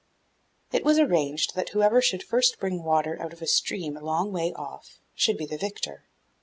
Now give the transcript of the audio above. It was arranged that whoever should first bring water out of a stream a long way off, should be the victor.